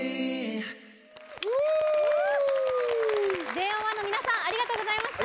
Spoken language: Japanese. ＪＯ１ の皆さんありがとうございました。